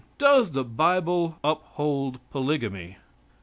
Does the Bible uphold polygamy?